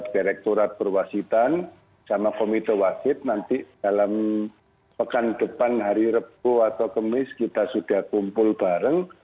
direkturat perwasitan sama komite wasit nanti dalam pekan depan hari repu atau kemis kita sudah kumpul bareng